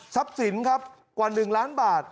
ทรัพย์สินครับกว่า๑ล้านบาท